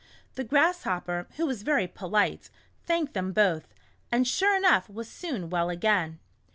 The Grasshopper, who was very polite, thanked them both, and sure enough was soon well again.